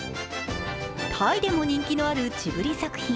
タイでも人気のあるジブリ作品。